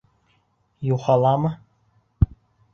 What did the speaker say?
Юхалама!